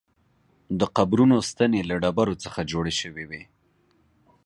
د قبرونو ستنې له ډبرو څخه جوړې شوې وې.